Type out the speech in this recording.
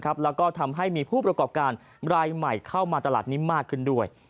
แล้วก็ทำให้มีผู้ประกอบการรายใหม่เข้ามาตลาดนี้มากขึ้นด้วย